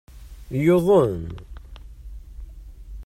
Yuḍen.